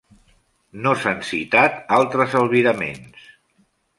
No s'han citat altres albiraments.